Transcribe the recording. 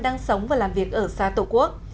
đang sống và làm việc ở xa tổ quốc